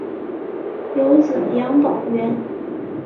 有子杨葆元。